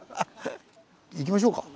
行きましょうか。